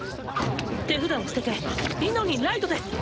手札を捨ててリノにライドです！